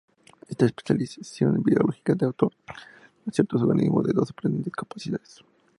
Esta especialización biológica dotó a ciertos organismos de dos sorprendentes capacidades.